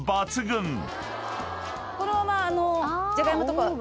このまま。